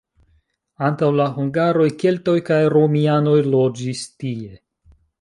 Antaŭ la hungaroj keltoj kaj romianoj loĝis tie.